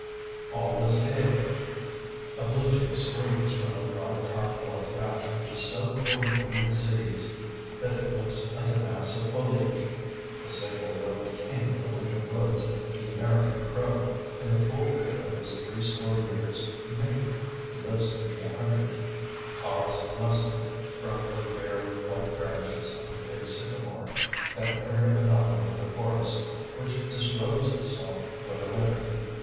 All is gaiety. A blue jay screams from a broad topped white ash which is so full of winged seeds that it looks like a mass of foliage. The sable robed king of the winter woods, the American crow, in the full vigor of his three score years, maybe, (he lives to be a hundred) caws lustily from the bare white branches of a big sycamore, that queer anomaly of the forest which disrobes itself for the winter.